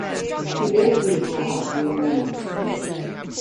Humidity is high year round.